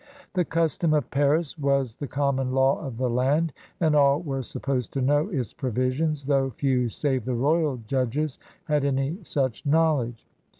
The Custom of Paris was the common law of the land, and all were sup posed to know its provisions, though few save the royal judges had any such knowledge.